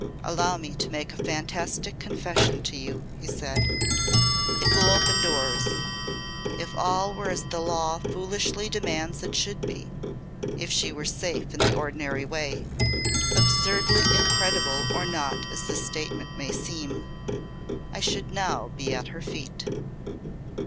"Allow me to make a fantastic confession to you," he said. "It will open doors. If all were as the law foolishly demands it should be if she were safe in the ordinary way absurdly incredible or not as the statement may seem I should now be at her feet."